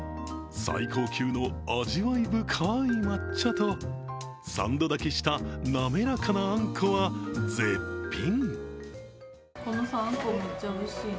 最高級の味わい深い抹茶と３度炊きした滑らかなあんこは絶品。